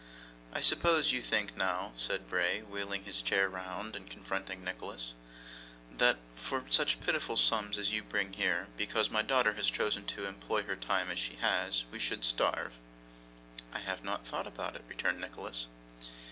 'I suppose you think now,' said Bray, wheeling his chair round and confronting Nicholas, 'that, but for such pitiful sums as you bring here, because my daughter has chosen to employ her time as she has, we should starve?' 'I have not thought about it,' returned Nicholas.